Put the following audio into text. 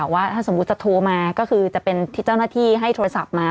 ว่าถ้าสมมุติจะโทรมาก็คือจะเป็นที่เจ้าหน้าที่ให้โทรศัพท์มา